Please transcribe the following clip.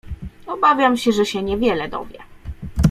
"Obawiam się, że się niewiele dowie."